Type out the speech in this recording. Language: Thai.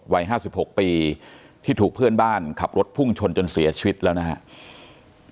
วัย๕๖ปีที่ถูกเพื่อนบ้านขับรถพุ่งชนจนเสียชีวิตแล้วนะครับ